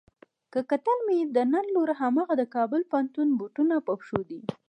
که کتل مې د نر لور هماغه د کابل پوهنتون بوټونه په پښو دي.